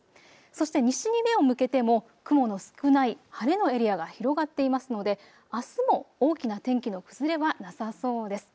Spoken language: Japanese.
そして西に目を向けても雲の少ない晴れのエリアが広がっていますのであすも大きな天気の崩れはなさそうです。